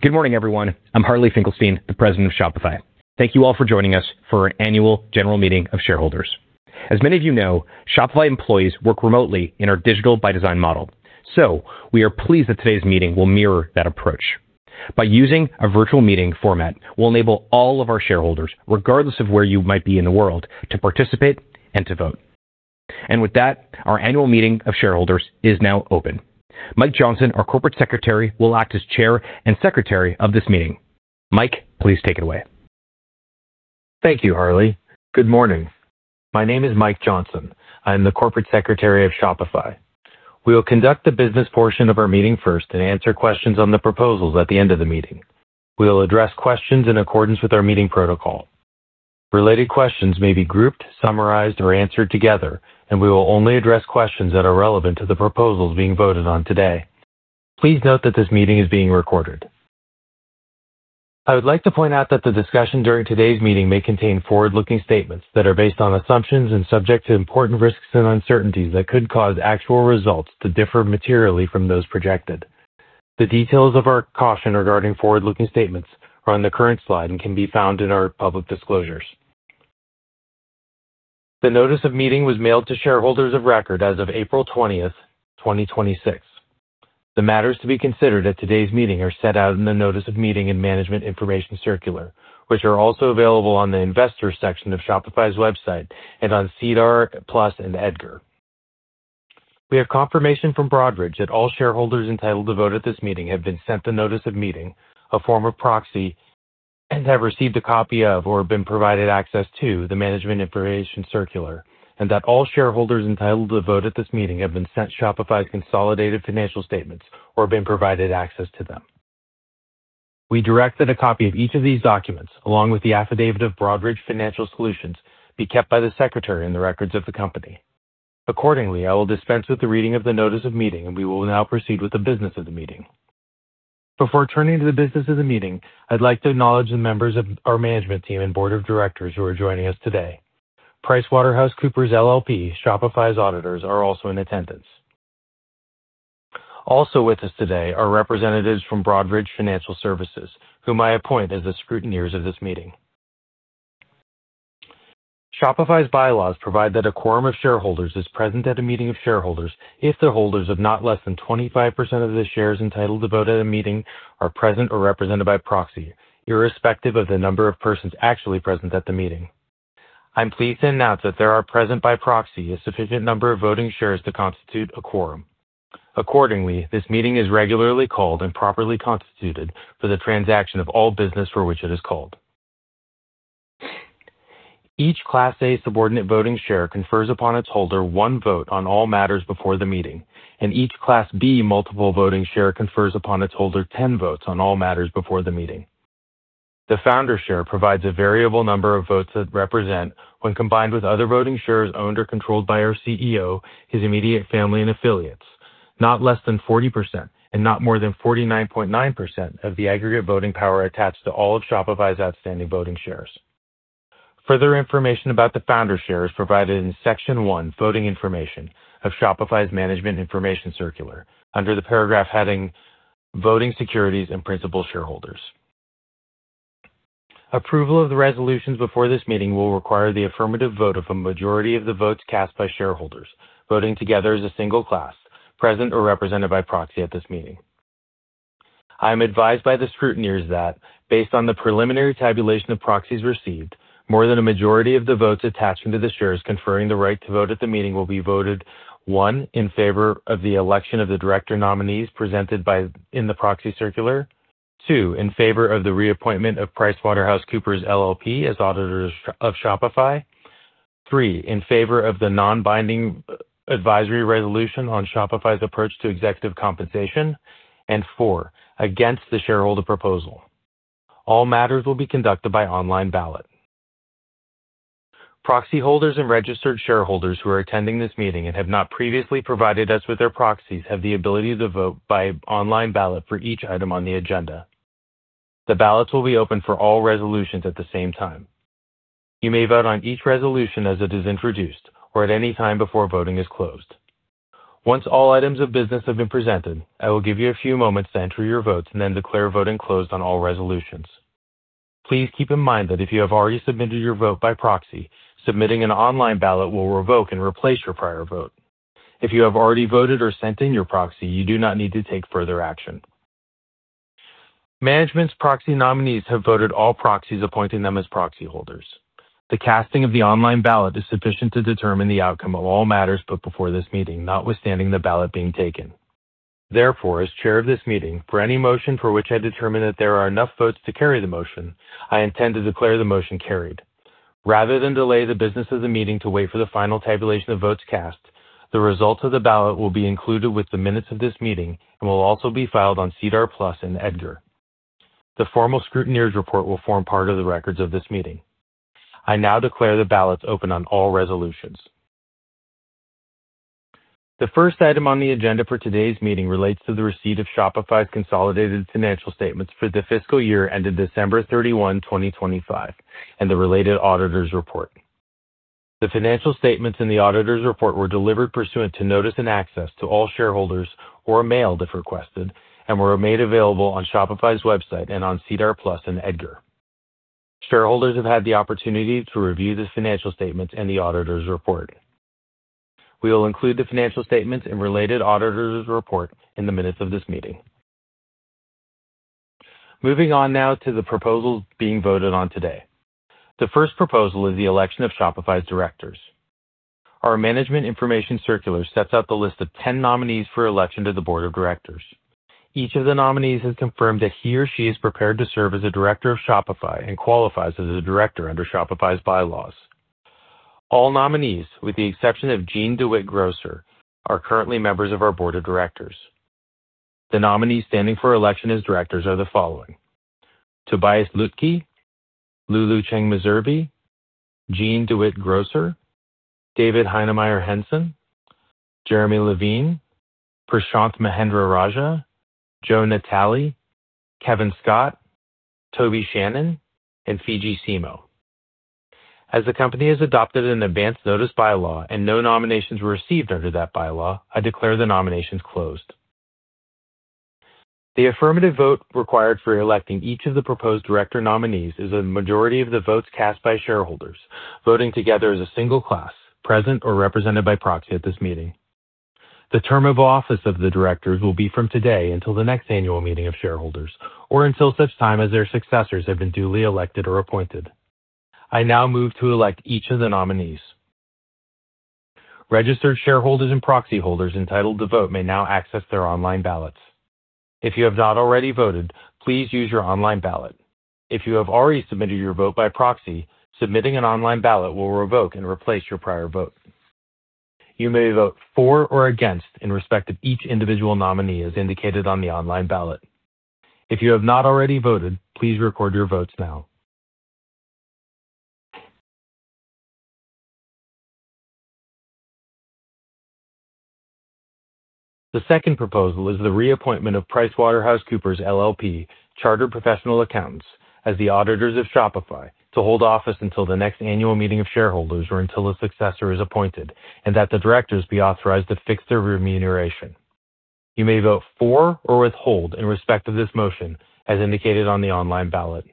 Good morning, everyone. I'm Harley Finkelstein, the President of Shopify. Thank you all for joining us for our Annual General Meeting of shareholders. As many of you know, Shopify employees work remotely in our Digital by Design model. We are pleased that today's meeting will mirror that approach. By using a virtual meeting format, we'll enable all of our shareholders, regardless of where you might be in the world, to participate and to vote. With that, our Annual Meeting of Shareholders is now open. Mike Johnson, our Corporate Secretary, will act as Chair and Secretary of this meeting. Mike, please take it away. Thank you, Harley. Good morning. My name is Mike Johnson. I'm the Corporate Secretary of Shopify. We will conduct the business portion of our meeting first and answer questions on the proposals at the end of the meeting. We will address questions in accordance with our meeting protocol. Related questions may be grouped, summarized, or answered together. We will only address questions that are relevant to the proposals being voted on today. Please note that this meeting is being recorded. I would like to point out that the discussion during today's meeting may contain forward-looking statements that are based on assumptions and subject to important risks and uncertainties that could cause actual results to differ materially from those projected. The details of our caution regarding forward-looking statements are on the current slide and can be found in our public disclosures. The notice of meeting was mailed to shareholders of record as of April 20th, 2026. The matters to be considered at today's meeting are set out in the notice of meeting and management information circular, which are also available on the investor section of Shopify's website and on SEDAR+ and EDGAR. We have confirmation from Broadridge that all shareholders entitled to vote at this meeting have been sent the notice of meeting, a form of proxy, and have received a copy of or have been provided access to the management information circular, and that all shareholders entitled to vote at this meeting have been sent Shopify's consolidated financial statements or have been provided access to them. We direct that a copy of each of these documents, along with the affidavit of Broadridge Financial Solutions, be kept by the Secretary in the records of the company. I will dispense with the reading of the notice of meeting. We will now proceed with the business of the meeting. Before turning to the business of the meeting, I'd like to acknowledge the members of our management team and Board of Directors who are joining us today. PricewaterhouseCoopers LLP, Shopify's auditors, are also in attendance. Also with us today are representatives from Broadridge Financial Solutions, whom I appoint as the scrutineers of this meeting. Shopify's bylaws provide that a quorum of shareholders is present at a meeting of shareholders if the holders of not less than 25% of the shares entitled to vote at a meeting are present or represented by proxy, irrespective of the number of persons actually present at the meeting. I'm pleased to announce that there are present by proxy a sufficient number of voting shares to constitute a quorum. Accordingly, this meeting is regularly called and properly constituted for the transaction of all business for which it is called. Each Class A subordinate voting share confers upon its holder one vote on all matters before the meeting, and each Class B multiple voting share confers upon its holder 10 votes on all matters before the meeting. The founder share provides a variable number of votes that represent, when combined with other voting shares owned or controlled by our CEO, his immediate family and affiliates, not less than 40% and not more than 49.9% of the aggregate voting power attached to all of Shopify's outstanding voting shares. Further information about the founder share is provided in Section One, Voting Information, of Shopify's Management Information Circular, under the paragraph heading, Voting Securities and Principal Shareholders. Approval of the resolutions before this meeting will require the affirmative vote of a majority of the votes cast by shareholders, voting together as a single class, present or represented by proxy at this meeting. I am advised by the scrutineers that based on the preliminary tabulation of proxies received, more than a majority of the votes attaching to the shares conferring the right to vote at the meeting will be voted, one, in favor of the election of the Director nominees presented in the proxy circular; two, in favor of the reappointment of PricewaterhouseCoopers LLP as auditors of Shopify; three, in favor of the non-binding advisory resolution on Shopify's approach to executive compensation; and four, against the shareholder proposal. All matters will be conducted by online ballot. Proxy holders and registered shareholders who are attending this meeting and have not previously provided us with their proxies have the ability to vote by online ballot for each item on the agenda. The ballots will be open for all resolutions at the same time. You may vote on each resolution as it is introduced or at any time before voting is closed. Once all items of business have been presented, I will give you a few moments to enter your votes and then declare voting closed on all resolutions. Please keep in mind that if you have already submitted your vote by proxy, submitting an online ballot will revoke and replace your prior vote. If you have already voted or sent in your proxy, you do not need to take further action. Management's proxy nominees have voted all proxies appointing them as proxy holders. The casting of the online ballot is sufficient to determine the outcome of all matters put before this meeting, notwithstanding the ballot being taken. Therefore, as Chair of this meeting, for any motion for which I determine that there are enough votes to carry the motion, I intend to declare the motion carried. Rather than delay the business of the meeting to wait for the final tabulation of votes cast, the results of the ballot will be included with the minutes of this meeting and will also be filed on SEDAR+ and EDGAR. The formal scrutineers report will form part of the records of this meeting. I now declare the ballots open on all resolutions. The first item on the agenda for today's meeting relates to the receipt of Shopify's consolidated financial statements for the fiscal year ended December 31, 2025, and the related auditor's report. The financial statements in the auditor's report were delivered pursuant to notice and access to all shareholders or mail, if requested, and were made available on Shopify's website and on SEDAR+ and EDGAR. Shareholders have had the opportunity to review the financial statements and the auditor's report. We will include the financial statements and related auditor's report in the minutes of this meeting. Moving on now to the proposals being voted on today. The first proposal is the election of Shopify's Directors. Our management information circular sets out the list of 10 nominees for election to the Board of Directors. Each of the nominees has confirmed that he or she is prepared to serve as a Director of Shopify and qualifies as a Director under Shopify's bylaws. All nominees, with the exception of Jeanne DeWitt Grosser, are currently members of our Board of Directors. The nominees standing for election as Directors are the following: Tobias Lütke, Lulu Cheng Meservey, Jeanne DeWitt Grosser, David Heinemeier Hansson, Jeremy Levine, Prashanth Mahendra-Rajah, Joe Natale, Kevin Scott, Toby Shannan, and Fidji Simo. As the company has adopted an advance notice bylaw and no nominations were received under that bylaw, I declare the nominations closed. The affirmative vote required for electing each of the proposed Director nominees is a majority of the votes cast by shareholders, voting together as a single class, present or represented by proxy at this meeting. The term of office of the Directors will be from today until the next Annual Meeting of Shareholders, or until such time as their successors have been duly elected or appointed. I now move to elect each of the nominees. Registered shareholders and proxy holders entitled to vote may now access their online ballots. If you have not already voted, please use your online ballot. If you have already submitted your vote by proxy, submitting an online ballot will revoke and replace your prior vote. You may vote for or against in respect of each individual nominee as indicated on the online ballot. If you have not already voted, please record your votes now. The second proposal is the reappointment of PricewaterhouseCoopers LLP Chartered Professional Accountants as the auditors of Shopify to hold office until the next Annual Meeting of Shareholders or until a successor is appointed, and that the Directors be authorized to fix their remuneration. You may vote for or withhold in respect of this motion as indicated on the online ballot.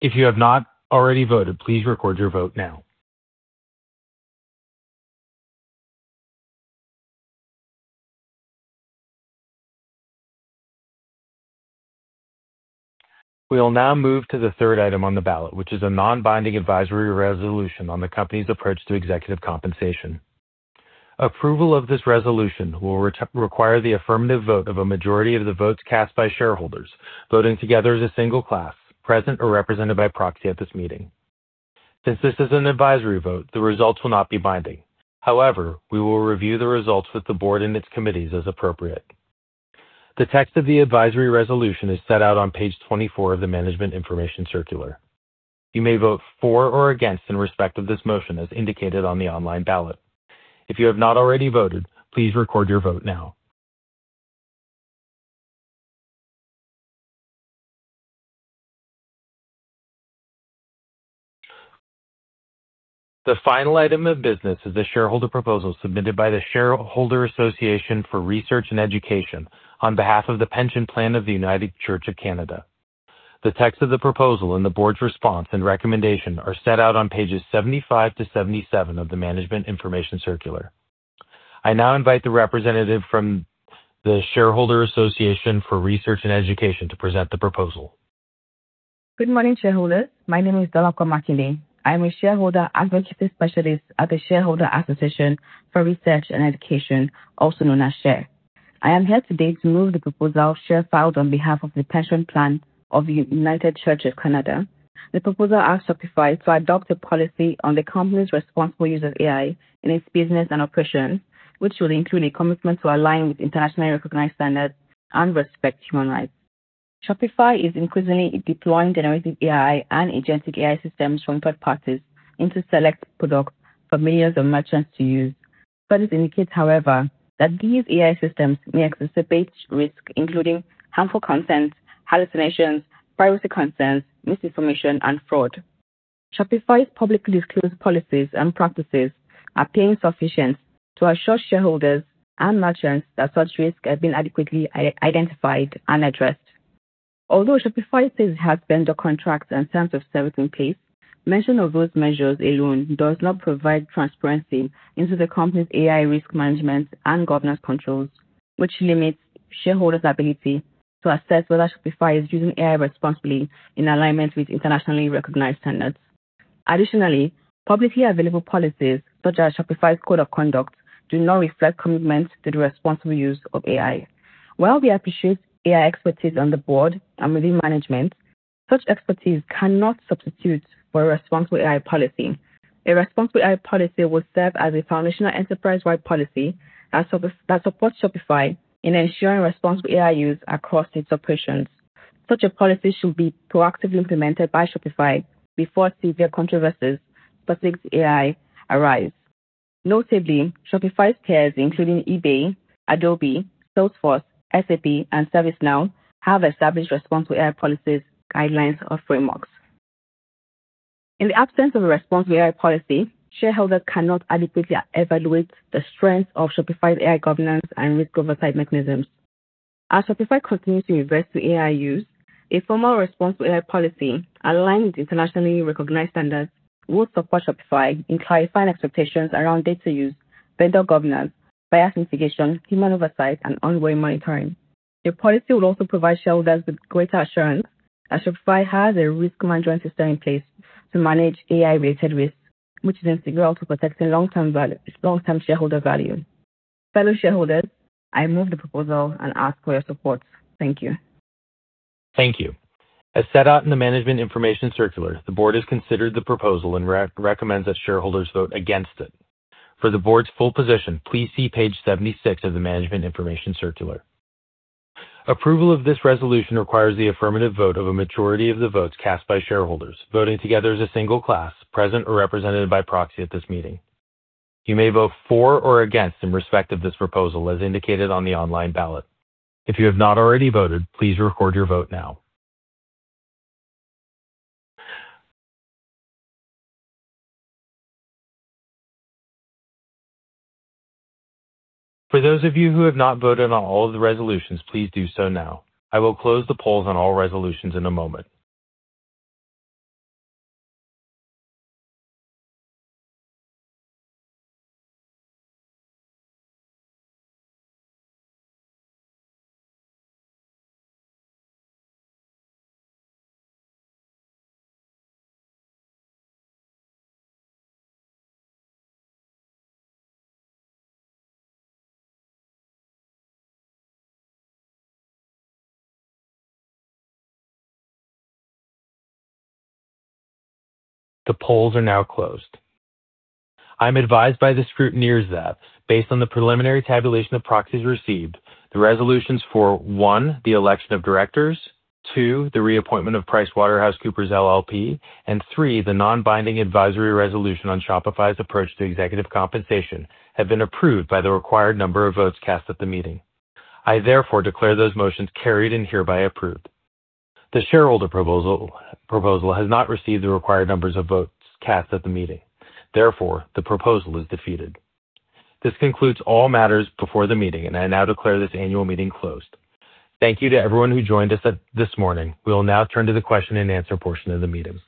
If you have not already voted, please record your vote now. We will now move to the third item on the ballot, which is a non-binding advisory resolution on the company's approach to executive compensation. Approval of this resolution will require the affirmative vote of a majority of the votes cast by shareholders, voting together as a single class, present or represented by proxy at this meeting. Since this is an advisory vote, the results will not be binding. We will review the results with the Board and its committees as appropriate. The text of the advisory resolution is set out on page 24 of the management information circular. You may vote for or against in respect of this motion as indicated on the online ballot. If you have not already voted, please record your vote now. The final item of business is the shareholder proposal submitted by the Shareholder Association for Research and Education on behalf of the pension plan of The United Church of Canada. The text of the proposal and the Board's response and recommendation are set out on pages 75-77 of the management information circular. I now invite the representative from the Shareholder Association for Research and Education to present the proposal. Good morning, shareholders. My name is Dolapo Makinde. I'm a Shareholder Advocacy Specialist at the Shareholder Association for Research and Education, also known as SHARE. I am here today to move the proposal SHARE filed on behalf of the pension plan of The United Church of Canada. The proposal asks Shopify to adopt a policy on the company's responsible use of AI in its business and operations, which will include a commitment to align with internationally recognized standards and respect human rights. Shopify is increasingly deploying generative AI and agentic AI systems from third parties into select products for millions of merchants to use. Studies indicate, however, that these AI systems may exacerbate risks, including harmful content, hallucinations, privacy concerns, misinformation, and fraud. Shopify's publicly disclosed policies and practices are paying sufficient to assure shareholders and merchants that such risks have been adequately identified and addressed. Shopify says it has vendor contracts and terms of service in place, mention of those measures alone does not provide transparency into the company's AI risk management and governance controls, which limits shareholders' ability to assess whether Shopify is using AI responsibly in alignment with internationally recognized standards. Additionally, publicly available policies such as Shopify's code of conduct do not reflect commitment to the responsible use of AI. While we appreciate AI expertise on the Board and within management, such expertise cannot substitute for a responsible AI policy. A responsible AI policy will serve as a foundational enterprise-wide policy that supports Shopify in ensuring responsible AI use across its operations. Such a policy should be proactively implemented by Shopify before severe controversies specific to AI arise. Notably, Shopify's peers, including eBay, Adobe, Salesforce, SAP, and ServiceNow, have established responsible AI policies, guidelines, or frameworks. In the absence of a responsible AI policy, shareholders cannot adequately evaluate the strength of Shopify's AI governance and risk oversight mechanisms. As Shopify continues to invest in AI use, a formal responsible AI policy aligned with internationally recognized standards would support Shopify in clarifying expectations around data use, vendor governance, bias mitigation, human oversight, and ongoing monitoring. The policy would also provide shareholders with greater assurance that Shopify has a risk management system in place to manage AI-related risks, which is integral to protecting its long-term shareholder value. Fellow shareholders, I move the proposal and ask for your support. Thank you. Thank you. As set out in the management information circular, the Board has considered the proposal and recommends that shareholders vote against it. For the Board's full position, please see page 76 of the management information circular. Approval of this resolution requires the affirmative vote of a majority of the votes cast by shareholders, voting together as a single class, present or represented by proxy at this meeting. You may vote for or against in respect of this proposal, as indicated on the online ballot. If you have not already voted, please record your vote now. For those of you who have not voted on all of the resolutions, please do so now. I will close the polls on all resolutions in a moment. The polls are now closed. I'm advised by the scrutineers that based on the preliminary tabulation of proxies received, the resolutions for one, the election of Directors, two, the reappointment of PricewaterhouseCoopers LLP, and three, the non-binding advisory resolution on Shopify's approach to executive compensation, have been approved by the required number of votes cast at the meeting. I therefore declare those motions carried and hereby approved. The shareholder proposal has not received the required numbers of votes cast at the meeting. Therefore, the proposal is defeated. This concludes all matters before the meeting, and I now declare this annual meeting closed. Thank you to everyone who joined us this morning. We will now turn to the question and answer portion of the meeting.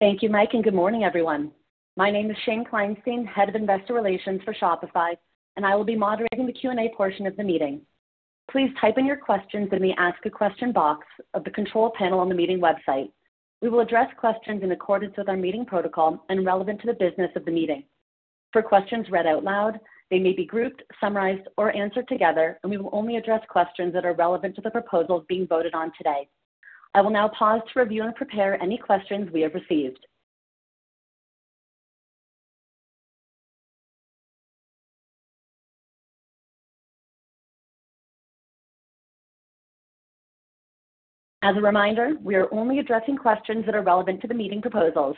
Thank you, Mike, and good morning, everyone. My name is Shane Kleinstein, Head of Investor Relations for Shopify, and I will be moderating the Q&A portion of the meeting. Please type in your questions in the ask a question box of the control panel on the meeting website. We will address questions in accordance with our meeting protocol and relevant to the business of the meeting. For questions read out loud, they may be grouped, summarized, or answered together, and we will only address questions that are relevant to the proposals being voted on today. I will now pause to review and prepare any questions we have received. As a reminder, we are only addressing questions that are relevant to the meeting proposals.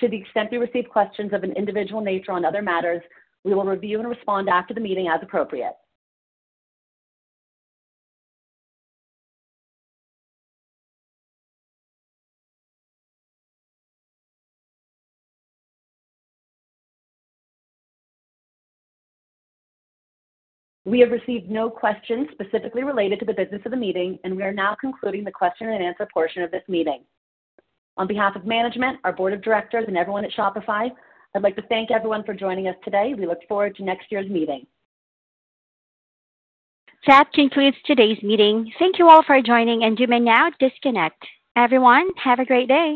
To the extent we receive questions of an individual nature on other matters, we will review and respond after the meeting as appropriate. We have received no questions specifically related to the business of the meeting, and we are now concluding the question-and-answer portion of this meeting. On behalf of management, our Board of Directors, and everyone at Shopify, I'd like to thank everyone for joining us today. We look forward to next year's meeting. That concludes today's meeting. Thank you all for joining, and you may now disconnect. Everyone, have a great day.